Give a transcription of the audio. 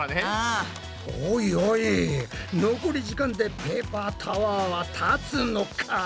おいおい残り時間でペーパータワーは立つのか？